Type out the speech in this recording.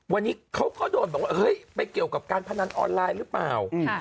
วันนี้เขาก็โดนบอกว่าเฮ้ยไปเกี่ยวกับการพนันออนไลน์หรือเปล่า